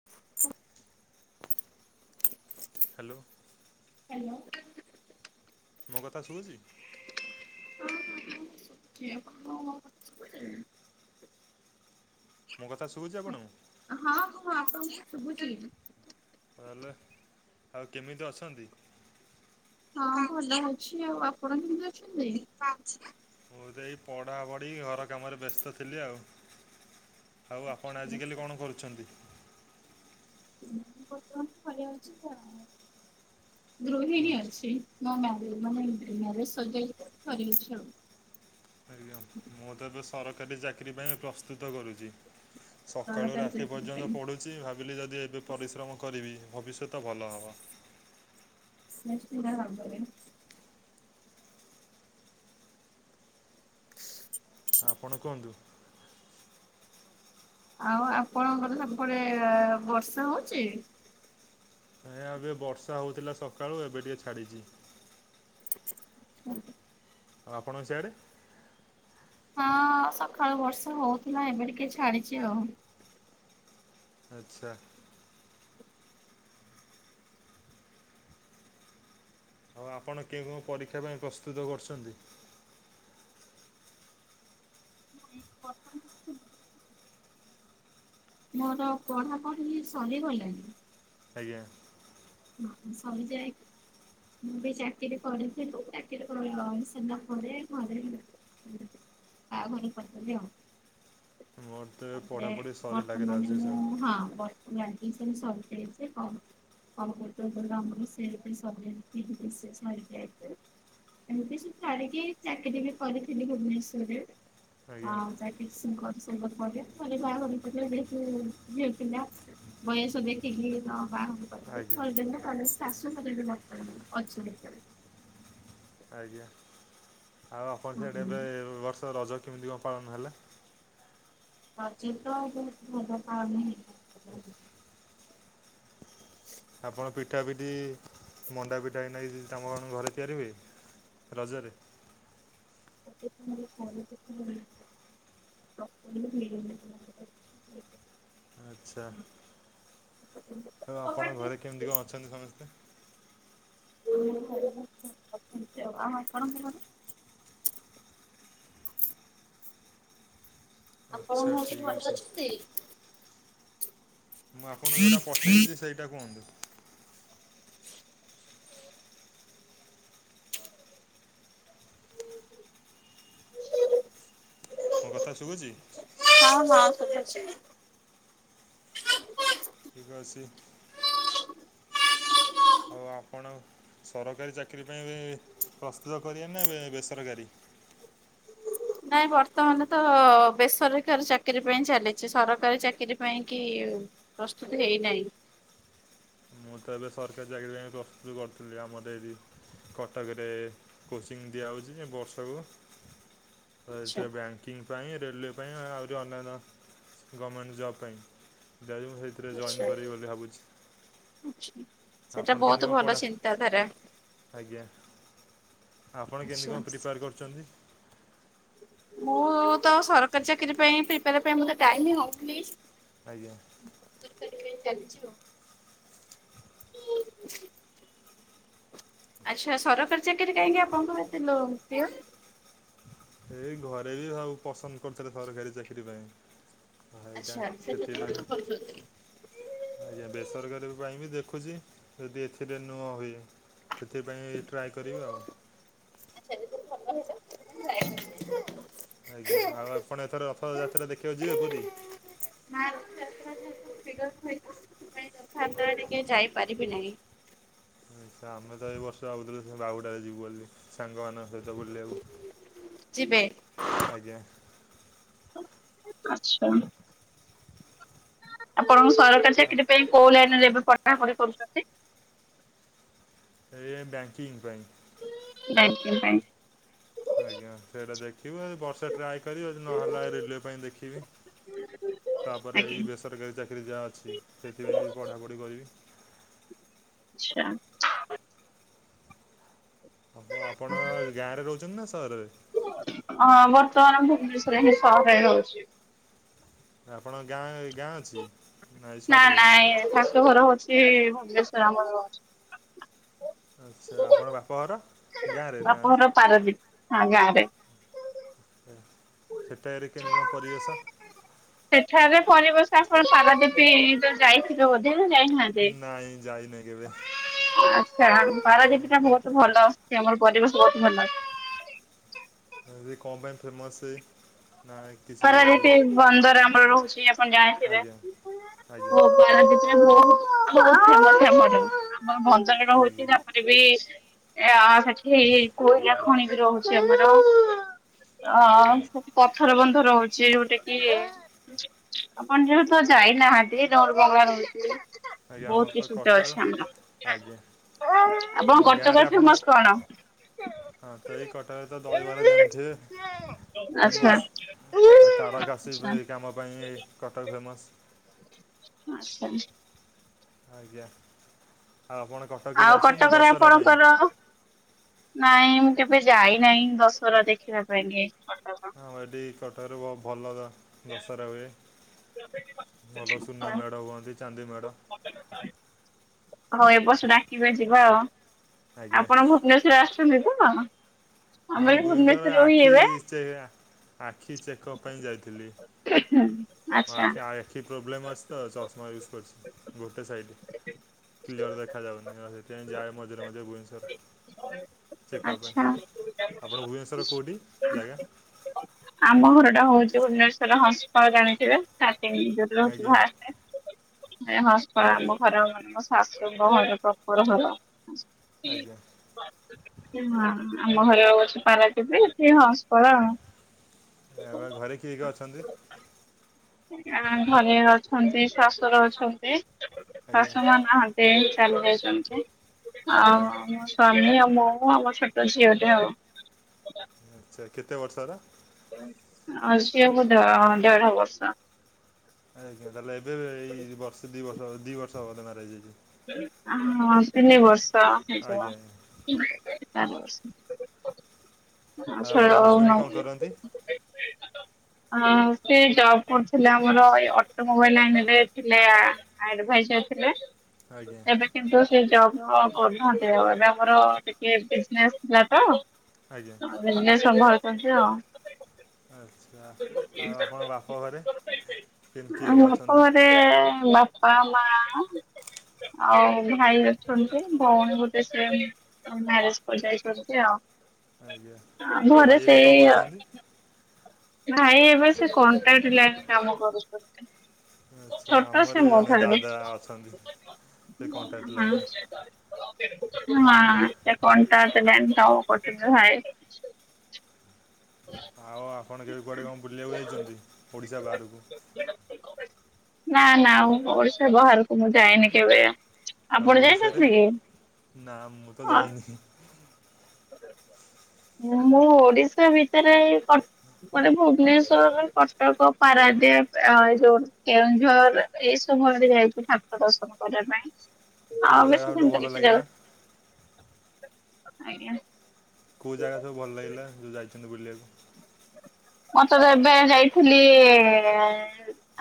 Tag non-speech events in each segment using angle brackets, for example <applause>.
<unintelligible> Hello. Hello. ମୋ କଥା ସୁଭୁଛି? <unintelligible> ମୋ କଥା ଶୁଭୁଛି ଆପଣଙ୍କୁ? ହଁ ହଁ ଆପଣଙ୍କୁ ଶୁଭୁ- ହେଲେ ଆଉ କେମିତି ଅଛନ୍ତି? ହଁ ଭଲ ଅଛି ଆଉ ଆପଣ କେମିତି ଅଛନ୍ତି? ମୁଁ ତ ଏଇ ପଢ଼ାପଢ଼ି ଘର କାମରେ ବ୍ୟସ୍ତ ଥିଲି ଆଉ। ଆଉ ଆପଣ ଆଜି କାଲି କଣ କରୁଛନ୍ତି? <unintelligible> ଘରେ ଅଛି ଆଉ। ଗୃହିଣୀ ଅଛି। ନା ମ୍ୟାରେଜ ମାନେ ମ୍ୟାରେଜ ସରିଯାଇଛି। ସରି ଯାଇଛି ଆଉ। ଆଜ୍ଞା ମୁଁ ତ ଏବେ ସରକାରୀ ଚାକିରି ପାଇଁ ପ୍ରସ୍ତୁତ କରୁଛି। ସକାଳୁ ରାତି ପର୍ଯ୍ୟନ୍ତ ପଢ଼ୁଛି ଭାବିଲି ଯଦି ଏବେ ପରିଶ୍ରମ କରିବି ଭବିଷ୍ୟତ ଭଲ ହେବ। ନିଶ୍ଚିତ ଭାବରେ। ଆପଣ କୁହନ୍ତୁ। ଆଉ ଆପଣଙ୍କର ସେପଟେ ବର୍ଷା ହଉଛି? ଆଜ୍ଞା ଏବେ ବର୍ଷା ହେଉଥିଲା ସକାଳୁ ଏବେ ଟିକେ ଛାଡ଼ିଛି। <unintelligible> ଆଉ ଆପଣଙ୍କ ସିଆଡ଼େ? ହଁ ସକାଳୁ ବର୍ଷା ହଉଥିଲା ଏବେ ଟିକେ ଛାଡିଛି ଆଉ। ଆଚ୍ଛା। ଆଉ ଆପଣ କେଉଁ କେଉଁ ପରୀକ୍ଷା ପାଇଁ ପ୍ରସ୍ତୁତ କରୁଛନ୍ତି? <unintelligible> ମୋର ପଢାପଢି ସରିଗଲାଣି। ଆଜ୍ଞା। ସରି ଯାଇ - ମୁଁ ବି ଚାକିରି କରିଥିଲୁ ଚାକିରି ପରେ ଲଙ୍ଗସ ହେଲା ପରେ ଘରେ- <unintelligible> <unintelligible> ତାପରେ ପଢ଼ାପଢ଼ି ସରିଲା ବର୍ତ୍ତମାନ ଗ୍ରାଜୁଏସନ୍ ମୁଁ ହଁ <unintelligible> <unintelligible> ଏମିତି ସବୁ ସାରିକି ଚାକିରି ବି କରିଥିଲି ଭୁବନେଶ୍ୱରରେ। ଆଜ୍ଞା ହଁ <unintelligible> ଘରେ ବାହାଘର <unintelligible> ଝିଅ ପିଲା ବୟସ ଦେଖିକି ଆଜ୍ଞା ବାହାଘର- <unintelligible> ଆଜ୍ଞା। ଆଉ ଆପଣ ସିଆଡେ ଏ ବର୍ଷ ରାଜ କେମିତି କଣ ପାଳନ ହେଲା? ରଜି ତ ବହୁତ ଭଲ ପାଳନ ହେଲା। ଆପଣ। ପିଠା ପିଠି ମଣ୍ଡା ପିଠା ହେନାଇ ତମ କଣ ଘରେ ତିଆରିି ହୁଏ ରଜରେ? <unintelligible> ଆଚ୍ଛା। ତ ଆପଣଙ୍କ ଘରେ କେମିତି କଣ ଅଛନ୍ତି ସମସ୍ତେ? <unintelligible> ଆଉ ଆପଣଙ୍କର? ଆପଣ ଆଚ୍ଛା ଘରେ ଠିକ୍ ଭଲ ଅଛି ଅଛନ୍ତି? ମୁଁ ଆପଣଙ୍କୁ ଯୋଉଟା ପଠେଇଛି ଆଚ୍ଛା ସେଇଟା କୁହନ୍ତୁ। ମୋ କଥା ଶୁଭୁଛି? ହଁ ହଁ <unintelligible> <inaudible> ଆଉ ଆପଣ ସରକାରି ଚାକିରୀ ପାଇଁ ଏବେ ପ୍ରସ୍ତୁତ କରିବେ ନା ବେସରକାରୀ। ନାଇଁ ବର୍ତ୍ତମାନ ତ ବେସରକାରୀ ଚାକିରୀ ପାଇଁ ଚାଲିଛି ସରକାରୀ ଚାକିରୀ ପାଇଁ କି ପ୍ରସ୍ତୁତି ହେଇ ନାଇଁ। ମୁଁ ତ ଏବେ ସରକାରୀ ଚାକିରି ପାଇଁ ପ୍ରସ୍ତୁତ୍ କରିଥିଲି ଆମର ଏଇ ଜି କଟକରେ। କୋଚିଂ ଦିଆହଉଛି ଯେ ବର୍ଷକୁ <unintelligible> ବ୍ୟାଙ୍କ କିଙ୍ଗ୍ ସମ୍ ପାଇଁ ରେଲୱେ ପାଇଁ ଆହୁରି ଅନ୍ୟାନ୍ୟ ଗମେଣ୍ଟ୍ ଜବ୍ ପାଇଁ <unintelligible> ସେଥିରେ ଜଏନ୍ କରିବି ବୋଲି ଭାବୁଛି। <inaudible> ସେଟା ଆପଣ କେମିତି ବହୁତୁ କଣ ପଢ଼ା ଭଲ ଚିନ୍ତାଧାରା। ଆଜ୍ଞା, ଆପଣ କେମିତି କଣ ପ୍ରିପାୟାର୍ କରୁଛନ୍ତି। ମୁଁ ତ ସରକାରୀ ଚାକିରି ପାଇଁ ପ୍ରିପେଆର୍ ପାଇଁ ମୋତେ ଟାଇମି ହଉନି। ଆଜ୍ଞା। <inaudible> ଚାଲିଛି ଆଉ। ଆଚ୍ଛା ସରକାରୀ ଚାକିରି କାହିଁକି ଆପଣଙ୍କୁ ଏତେ <unintelligible> ଏଇ ଘରେ ବି <unintelligible> ପସନ୍ଦ କରୁଥିଲେ ସରକାରୀ ଚାକିରି ପାଇଁ। <unintelligible> ସେଥିପାଇଁ ଆଜ୍ଞା ବେସରକାରୀ ପାଇଁ ବି ଦେଖୁଛି ଯଦି ଏଥିରେ ନହୁଏ। ସେଥିପାଇଁ ଟ୍ରାଏ କରିବି ଆଉ। <inaudible> ଆଜ୍ଞା ଆଉ ଆପଣ ଏଥର ରଥ ଯାତ୍ରା ଦେଖିବାକୁ ଯିବେ ପୁରୀ? <inaudible> ଟିକେ ଯାଇପାରିବି ନାହିଁ। ତ ଆମେ ତ ଏଇ ବର୍ଷ ଭାବୁଥିଲୁ ସେ ବାହୁଡାରେ ଯିବୁ ବୋଲି ସାଙ୍ଗମାନଙ୍କ ସହ ଯିବେ ଆଜ୍ଞା। <inaudible> ଆଚ୍ଛା। ଆପଣ ସରକାରୀ ଚାକିରି ପାଇଁ କୋଉ ଲାଇନ ରେ ଏବେ ପଡାପଢି କରୁଛନ୍ତି? ଏ ଏ ବ୍ୟାଙ୍କିଙ୍ଗ୍ ପାଇଁ। <unintelligible> ଆଜ୍ଞା ସେଇଟା ଦେଖିବେ ବର୍ଷେ ଟ୍ରାଏ <unintelligible> ନହେଲା ରେଲୱେ ପାଇଁ ଦେଖିବି ତାପରେ ଆଜ୍ଞା। ଆଚ୍ଛା ଏଇ ସରକାରୀ ଚାକିରି ଯାହା ଅଛି ସେଥିପାଇଁ ବି ପଢ଼ାପଢ଼ି କରିବି। <unintelligible> ଆପ ଆପଣ ଗାଁରେ ରହୁଛନ୍ତି ନା ସହର ରେ? ହଁ ବର୍ତ୍ତମାନ ଭୁବନେଶ୍ବରେ ହିଁ ସହରରେ ରହୁଛି। ଆପଣଙ୍କ ଗାଁ ଗାଁ ଅଛି? ନାଇଁ ନା ସହରରେ ରହୁଛନ୍ତି। ନାଇଁ ଶାଶୂ ଘର ହୋଉଛି ଭୁବନେଶ୍ଵର ଆମର। ଆଚ୍ଛା ଆପଣଙ୍କ ବାପ ଘର ଗାଁରେ ନା ପାରାଦ୍ବୀପ୍ ହଁ ଗାଁ ରେ। <unintelligible> କେମିତି କଣ ପରିବେଶ। ସେଠାରେ ପରବେଶ ଆଉ କଣ ପାରାଦୀପି ଯାଇନଥିଲୁ <inaudible> ବୋଧେ ଯାଇନାହାନ୍ତି। ନାଇଁ ଯାଇନି କେବେ। <inaudible> ପାରାଦୀପ୍ ଟା <unintelligible> ଭଲ ଆସୁଛି ଆମର ପରିବେଶ ବହୁତ ଭଲ ଅଛି। <unintelligible> କଣ ପାଇଁ ଫେମସେ ନା କିଛି ଏଠି ପାରାଦୀପି ବନ୍ଦର ଆମର ରହୁଛି ଆପଣ ଜାଣିଥିବେ। ଆଜ୍ଞା <unintelligible> <inaudible> ଆଜ୍ଞା ଆଜ୍ଞା <unintelligible> ସେଠି କୋଇଲା ଖଣି ବି ରହୁଛି ଆମର। ଆଜ୍ଞା ଅ ପଥର ବନ୍ଧ ରହୁଛି ଯୋଉଠି କି ଆପଣ ଯେହେତୁ ଯାଇନାହାନ୍ତି <unintelligible> ରହୁଚି ଆଜ୍ଞା ଆମର ବହୁତ ତ କିଛିଟେ କଟକ ଅଛି ଆମର ଆଜ୍ଞା ଆପଣଙ୍କ ଆଉ ଗାଁରେ କଟକ ଆପଣ ଫେମସ୍ କଣ? ହଁ ତ ଏଇ ତ କଟକ ଦହିବରା ଜାଣିଥିବେ ଆଚ୍ଛା। ଫେମସ୍। ଆ ତାରକାସି କାମ ପାଇଁ ଏ କଟକ ଫେମସ୍। ଆଚ୍ଛା। ଆଜ୍ଞା ଆପଣ କ ଆଉ କଟକରେ ଆପଣଙ୍କର ନାଇଁ ମୁଁ କେବେ ଯାଇନାହିଁ ଦଶହରା ଦେଖିବା ପାଇଁ କି କଟକ। ଆଉ ଏଠି କଟକରେ ବ ଭଲ ଜା ଦଶହରା ହୁଏ ଭଲ ସୁନା ମେଢ ହୁଅନ୍ତି ଚାନ୍ଦି ମେଢ। ହୋଉ ଏ ବର୍ଷ ଡାକିବେ ଯିବା ଆଉ ଆଜ୍ଞା ଆପଣ ଭୁବନେଶ୍ୱର ଆସୁଛନ୍ତି ତ? ଆମେ ଭୁବନେଶ୍ୱର ରେ ରହି ଏବେ। ସେଇଆ ଆଖି ଚେକଅପ୍ ପାଇଁ ଯାଇଥିଲି। ଆଚ୍ଛା। ଖି ପ୍ରୋବ୍ଲେମ୍ ଅଛି ତ ଚଶମା ୟୁଜ୍ କରିଛି ଗୋଟେ ସାଇଡ଼ କ୍ଲିଅର ଦେଖାଯାଉନି ଆ ସେ- ସେମିତି ଯାଏ ମଝିରେ ମ ଭୁବନେଶ୍ୱର ଚେକପ୍ ଆଚ୍ଛା ପାଇଁ। ଆପଣ ଭୁବନେଶ୍ୱର କୋଉଁଠି ଜାଗା? ଆମ ଘର ଟା ହୋଉଛି ଭୁବନେଶ୍ଵର ହସପା ଜାଣିଥିବେ। ଆଜ୍ଞା <unintelligible> ହସ୍ପା ଆମ ମୋ ଘର ଶାଶୁ ଘର ପ୍ରପର ଘର ଆଜ୍ଞା ହଁ ଆମ ଘର ଅବଶ୍ୟ ପାରାଦୀପ ସେଏ ହଁ। ଏ ବା ଘରେ କିଏ କି ଅଛନ୍ତି? ଆ ଘରେ ଅଛନ୍ତି ଶଶୁର ଅଛନ୍ତି ଆଜ୍ଞା ଶାଶୁ ମା ନାହା ସେ ହେଲେ ଚାଲି ଯାଇଛନ୍ତି ଆଜ୍ଞା ଆଉ ସ୍ୱାମୀ ଆଉ ମୁଁ ଆମ ଛୋଟ ଝିଅଟେ ହବ। ଆଚ୍ଛା କେତେ ବର୍ଷର? ଆସିବାକୁ ଦ ଦେଢ ବର୍ଷ। ଆଜ୍ଞା ତାହେଲେ ଏବେ ଏଇ ବର୍ଷ ଦି ବର୍ଷ ଦି ବର୍ଷ ହେବ ମ୍ୟାରେଜ ହେଇଚି? ହଁ ତିନି ବର୍ଷ ହେଇଯିବ। ଆଜ୍ଞା ଆଜ୍ଞା ହୁଁ ଆର ବର୍ଷ। ଆଉ ଆ ଛୋ ଆପଣ ହଜବେଣ୍ଡ ନଉ କଣ କରନ୍ତି? ସେ ଜବ୍ କରୁଥିଲେ ଆମର ଏଇ ଅଟୋମୋବାଇଲ ଲାଇନରେ ଥିଲା ଆଁ। ଆଡ ଭାଇଟର ଥିଲେ। ଆଜ୍ଞା। ଏବେ କିନ୍ତୁ ସେ ଜବ୍ ଆଉ କରୁନାହାନ୍ତି ଆଉ ଏବେ ଆମର ଟିକେ ବିଜନେସ୍ ଥିଲା ତ ଆଜ୍ଞା। ବିଜନେସ୍‌ ସଭାଲୁଛନ୍ତି ଆଉ। ଆଚ୍ଛା ଆଉ ଆପଣଙ୍କ ବାପ ଘରେ କେମ୍ କିଏ ଆମ କିଏ ଅଛନ୍ତି? ଘରେ ବାପା ମା ଆଉ ଭାଇ ଅଛନ୍ତି ଭଉଣୀ ଗୋଟେ ସେମ୍ ମ୍ୟାରେଜ କରିଯାଇଚନ୍ତି ଆଉ ଆଜ୍ଞା ଘରେ ଭାଇ ଏବେ କ'ଣ ସେଇ ଆ କରୁଛନ୍ତି ଭାଇ ଏବେ ସେ କଣ୍ଟ୍ରାକ୍ଟ ଲଇନ୍‌ କାମ କରୁଛନ୍ତି। ଆଚ୍ଛା ଛଟଟା ଆମର ସେ ବି ମ ଜଣେ ଭିବ ହଁ। ଦାଦା ଅଛନ୍ତି ସେ କଣ୍ଟ୍ରାକ୍ଟ ଲାଇନ୍ ଏକାଉଣ୍ଟ ଆଜ୍ଞା ଟା ବ୍ୟାଙ୍କ ଟ କରିବ ଭାଇ ଆଉ ଆପଣ କେବେ କୁଆଡ଼େ କଣ ବୁଲିବାକୁ ଯାଇଛନ୍ତି ଓଡ଼ିଶା ବାହାରକୁ? ନା ନା ମୁ ଓଡିଶା ସେ ବାହାରକୁ ମୁଁ ଯାଇନି କେବେ ଆଉ ଆପଣ ଓଡିଶାରେ ଯାଇଛନ୍ତି କି? ନା ମୁଁ ତ ଜାଣିନି। ମୁଁ ଓଡିଶା ଭିତରେ ମୋଟେ ଭୁବନେଶ୍ଵର କଟକ ପାରାଦ୍ୱୀପ ଏଇ ଯୋଉ କେଉଁଝର ଏଇସବୁ ଭରେ ଯାଇଛି ଠାକୁର ଦର୍ଶନ କରିବା ପାଇଁ କେଉଁ ଆଉ ଜାଗା ବେଶ ସବୁଠୁ ଭଲ ସେମିତି କିଛି ଲାଗିଲା ଯାଉଛି ଆଜ୍ଞା। କେଉଁ ଜାଗା ସବୁ ଭଲ ଲାଗିଲା ଯେଉଁ ଯାଇଛନ୍ତି ବୁଲିବାକୁ। ମୁ ତ ଏବେ ଯାଇଥିଲି।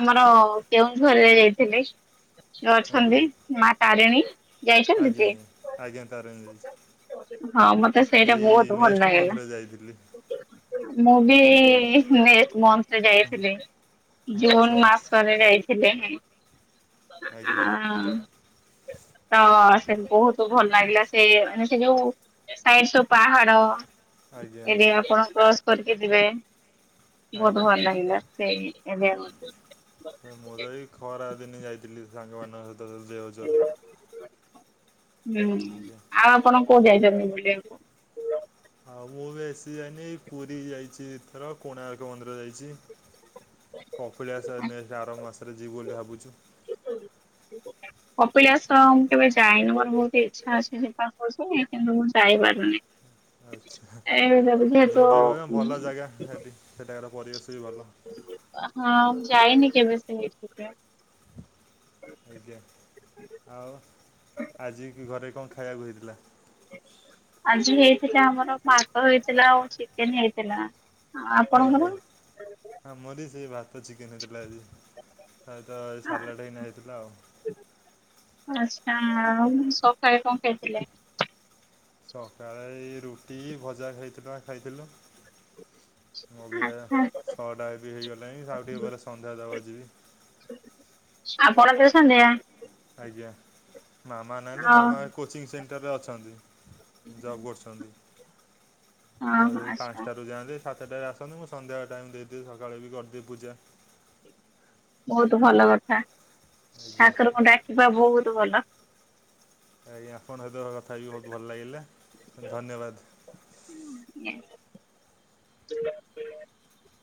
ଆମର କେଉଁ ଘରରେ ଯାଇଥିଲି। ଆଜ୍ଞା ଅଛନ୍ତି ମା ତାରିଣୀ ଯାଇଛନ୍ତି ଆଜ୍ଞା ସିଏ। ଆଜ୍ଞା ଆଜ୍ଞା ତାରିଣୀ ଯାଇଛି ହଁ ମତେ ସେଇଟା ଏଇ ବହୁତ ଭଲ ନେକ୍ସଟ ଲାଗିଲା ମନ୍ଥରେ ଯାଇଥିଲି ମୁଁ ବି ଆଜ୍ଞା ଯାଇଥିଲି ଜୁନ ଆଚ୍ଛା ମାସ ପରେ ଯାଇଥିଲେ ଆ ଆଜ୍ଞା ତ ସେ ବହୁତ ଭଲ ଲାଗିଲା ସେ ମାନେ ସେ ଯୋଉ। ସାଇଡ ସବୁ ପାହାଡ ଆଜ୍ଞା ଏରି ଆପଣ କ୍ରସ୍ କରିକି ଯିବେ। ବହୁତ ଆଜ୍ଞା ହ ଲାଗଲା ସେ। ସେ ମୁଁ ତ ଏ ଖରା ଦିନ ଯାଇଥିଲି ସାଙ୍ଗମାନଙ୍କ ସହିତ। ଦଦ ଦେଓଜର ହୁଁ ଆଜ୍ଞା ଆଉ ଆପଣ କୋଉ ଯାଇଛନ୍ତି ବୋଲି। ଆଉ ମୁଁ ବି ଆସି ଯାଇନି ପୁରୀ ଯାଇଛି ଏଥର କୋଣାର୍କ ମନ୍ଦିର ଯାଇଛି। କଖିଳିଆ ଆର ମାସରେ ଯିବୁ ବୋଲି ଭାବୁଛୁ। କପିଳା ସହ ମୁଁ କେବେ ଯାଇନି ମୋର ବହୁତ ଇଚଛା ଅଛି ପା କିନ୍ତୁ ମୁଁ ଯାଇପାରୁନି। ଆଚ୍ଛା ଏ ଯେହେତୁ ଯିବେ ହଁ କହ ଭଲ ଜାଗା ସେଠି ସେଠାକାର ପରିବେଶ ବି ଭଲ। ହଁ ମୁଁ ଯାଇନି କେବେ ସେ। ଆଜ୍ଞା ଆଉ ଆଜି ଘରେ କଣ ଖାଇବାକୁ ହେଇଥିଲା। ଆଜି ହେଇଥିଲା ଆମର ଭାତ ହେଇଥିଲା ଆଉ ଚିକେନ ହେଇଥିଲା। ଆପଣଙ୍କର? ଆଜ୍ଞା ହଁ ମୋରି ସେଇ ଭାତ ଚିକେନ୍ ହେଇଥିଲା ଆଜି। ସତ ଏଇ ସାଲାଡ ହେଇନା ହେଇଥିଲା ଆଉ ଆଚ୍ଛା ଆଉ ସକାଳେ କଣ ଖାଇଥିଲେ? ସକାଳେ ଏ ରୁଟି ଭଜା ଖାଇଥିଲୁ ଖାଇଥିଲୁ। ମୁଁ ବି ଆଚ୍ଛା ଶଅଟା ବି ହେଇଗଲାଣି ଆଉ ଟିକେ ପରେ ସନ୍ଧ୍ୟା ଦବକୁ ଯିବି। ଆପଣ ଦଉଛନ୍ତି ସନ୍ଧ୍ୟ। ଆଜ୍ଞା ମାମା ନହେଲେ ହଁ ମାମା କୋଚିଂ ସେଣ୍ଟରରେ ଅଛନ୍ତି। ଜବ୍ କରୁଛନ୍ତି ତ ହଁ ସେଇ ଆଚ୍ଛା ପାଞ୍ଚଟାରୁ ଯାଆନ୍ତି ସାତଟାରେ ଆସନ୍ତୁ ମୁଁ ସନ୍ଧ୍ୟା ଟାଇମ୍ ଦେଇଦେବି ସକାଳେ ବି କରିଦେବି ପୂଜା। ବହୁତ ଭଲ କଥା ଆଜ୍ଞା ଠାକୁରଙ୍କୁ ଡାକିବା ବହୁତ ଭଲ। ଆଜ୍ଞା ଆପଣଙ୍କ ସହ କଥା ହେଇକି ବହୁତ ଭଲ ଲାଗିଲା ଧନ୍ୟବାଦ। ହୁଁ <inaudible>